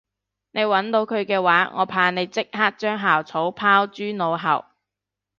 你搵到佢嘅話我怕你即刻將校草拋諸腦後